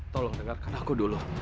tolong dengarkan aku dulu